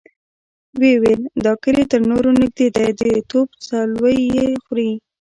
ويې ويل: دا کلي تر نورو نږدې دی، د توپ څولۍ يې خوري.